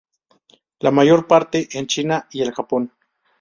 La mayor parte en China y el Japón.